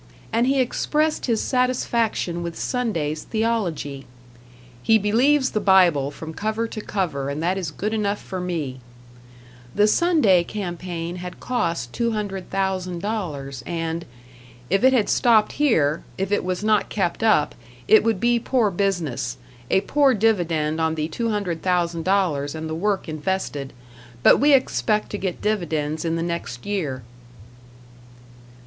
And he expressed his satisfaction with Sunday's theology: "He believes the Bible from cover to cover and that is good enough for me." The Sunday campaign had cost $200,000, and "If it had stopped here, if it was not kept up, it would be poor business; a poor dividend on the $200,000 and the work invested. But we expect to get dividends in the next year."